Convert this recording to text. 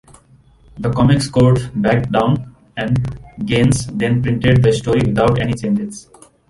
The Comics Code backed down, and Gaines then printed the story without any changes.